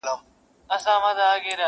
سرداري يې زما په پچه ده ختلې،